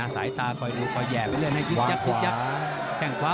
สายตาคอยอุดคอยแหยะไป